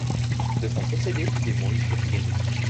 Deux femmes possédées du démon y furent guéries.